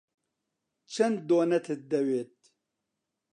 چەند دۆنەتت دەوێت؟